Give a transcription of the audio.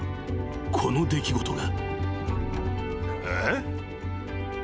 ［この出来事が］